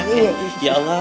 jangan banyak banyak ya allah